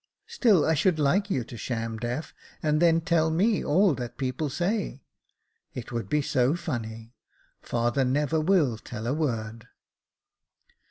Still I should like you to sham deaf, and then tell me all that people say. It would be so funny. Father never will tell a word."